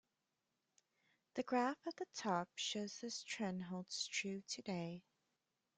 The graph at the top shows this trend holds true today.